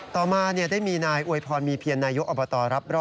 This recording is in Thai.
ต่อมาได้มีนายอวยพรมีเพียรนายกอบตรับร่อ